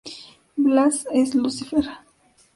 Blas es Lucifer.